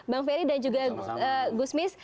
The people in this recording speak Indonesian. bang ferry dan juga gusmis